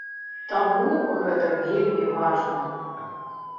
Таму гэта вельмі важна.